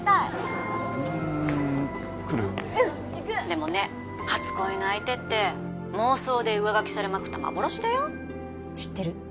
でもね初恋の相手って妄想で上書きされまくった幻だよ知ってる？